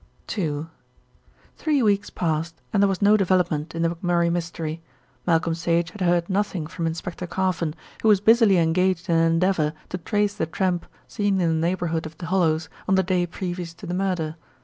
II Three weeks passed and there was no development in the McMurray Mystery. Malcolm Sage had heard nothing from Inspector Carfon, who was busily engaged in an endeavour to trace the tramp seen in the neighbourhood of "The Hollows" on the day previous to the murder.